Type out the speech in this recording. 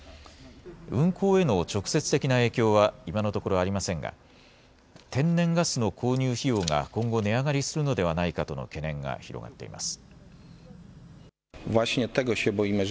運行への直接的な影響は今のところありませんが天然ガスの購入費用が今後値上がりするのではないかとの懸念が広がっています。